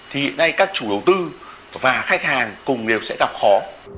thì hiện nay các chủ đầu tư và khách hàng cùng đều sẽ gặp khó